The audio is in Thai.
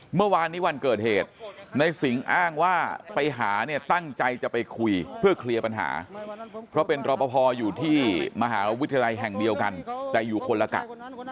เมื่อวานนี้วันเกิดเหตุในสิงห์อ้างว่าไปหาเนี่ยตั้งใจจะไปคุยเพื่อเคลียร์ปัญหาเพราะเป็นรอปภอยู่ที่มหาวิทยาลัยแห่งเดียวกันแต่อยู่คนละกะ